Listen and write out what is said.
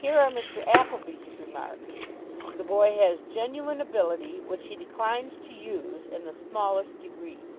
"Here are Mr. Appleby's remarks: 'The boy has genuine ability, which he declines to use in the smallest degree.